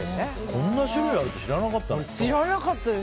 こんな種類あるって知らなかった。